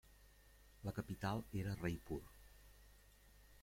La capital era Raipur.